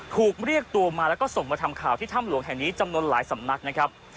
ถูกเรียกตัวมาแล้วก็ส่งมาทำข่าวที่ถ้ำหลวงแห่งนี้จำนวนหลายสำนักนะครับ